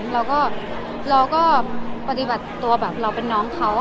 เราก็ปฏิบัติตัวแบบเราเป็นน้องเขาอะ